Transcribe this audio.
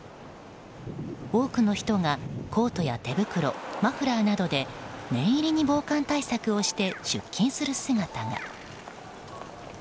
多くの人がコートや手袋、マフラーなどで念入りに防寒対策をして出勤する姿が。